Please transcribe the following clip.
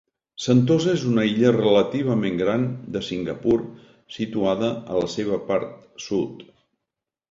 Sentosa és una illa relativament gran de Singapur situada a la seva part sud.